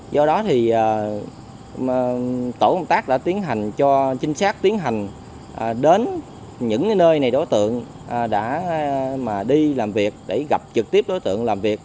do đó thì tổ công tác đã tiến hành cho trinh sát tiến hành đến những nơi này đối tượng đã đi làm việc để gặp trực tiếp đối tượng làm việc